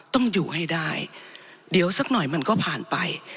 ต้องอยู่ให้ได้เดี๋ยวสักหน่อยมันก็ผ่านไป